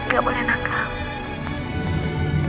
gak boleh nakal